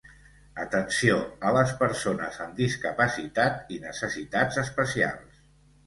Atenció a les persones amb discapacitat i necessitats especials.